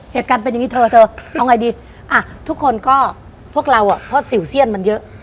เหตุการณ์เป็นเอาไงดีอ่ะทุกคนก็พวกเราน่ะแต่สิวเสี้ยนมันเยอะ